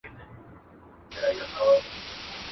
لا د چا سترگه په سيخ ايستل كېدله.